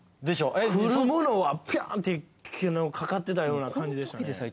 来るものはピャーン！ってかかってたような感じでしたね。